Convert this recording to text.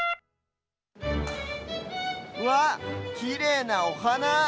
うわっきれいなおはな。